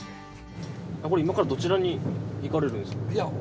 今からどちらに行かれるんですか？